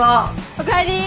おかえり。